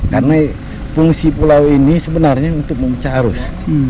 karena fungsi pulau ini sebenarnya untuk memecah arus